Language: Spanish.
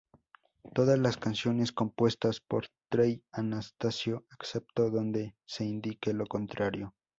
Todas las canciones compuestas por Trey Anastasio, excepto donde se indique lo contrario.